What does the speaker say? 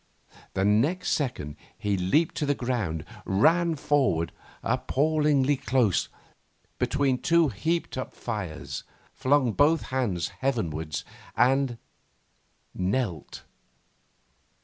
The next second he leaped to the ground, ran forward appallingly close between two heaped up fires, flung both hands heavenwards, and knelt.